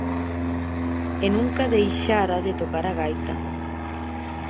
E nunca deixara de tocar a gaita.